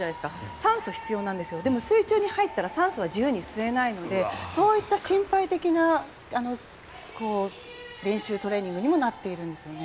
酸素が必要なんですけど水中に入ったら酸素は自由に吸えないのでそういった心肺的な練習、トレーニングにもなっているんですよね。